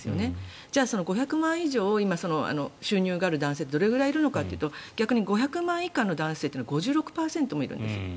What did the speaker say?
じゃあ、その５００万円以上の収入がある男性がどれくらいいるのかというと逆に５００万円以下の男性は５６％もいるんです。